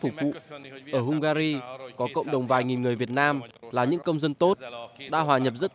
phục vụ ở hungary có cộng đồng vài nghìn người việt nam là những công dân tốt đã hòa nhập rất